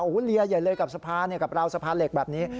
โอ้โหเลียใหญ่เลยกับสะพานกับราวสะพานเหล็กแบบนี้